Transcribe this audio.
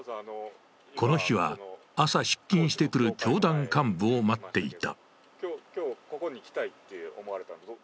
この日は、朝、出勤してくる教団幹部を待っていた。